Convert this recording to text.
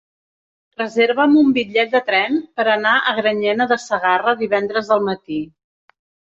Reserva'm un bitllet de tren per anar a Granyena de Segarra divendres al matí.